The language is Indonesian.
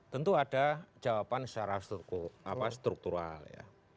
tentu ada jawaban secara struktural ya